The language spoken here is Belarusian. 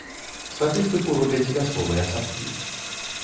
Статыстыку робяць вясковыя садкі.